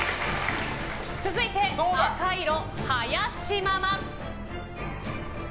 続いて赤色、林ママ。